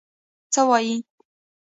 څه وايي.